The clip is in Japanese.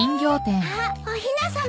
あっおひなさまだ。